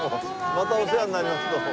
またお世話になりますどうも。